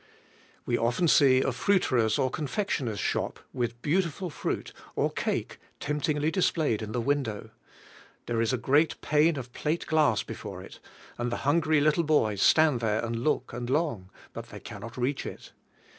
We often see a fruiterer's or confectioner's shop, with beautiful fruit or cake temptingly displayed in the window. There is a great pane of plate glass before it, and the hungry little boys stand there and look, and long, but they cannot reach it.